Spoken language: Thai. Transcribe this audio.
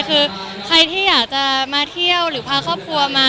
คือใครที่อยากจะมาเที่ยวหรือพาครอบครัวมา